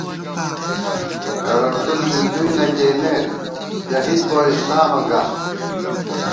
ہېڑہ ݭُل زِندُوئی نہ کېئیمېت، شہیدبو اسلامہ گا